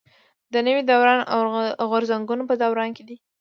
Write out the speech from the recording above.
د نوي دوران او غورځنګونو په دوران کې دي.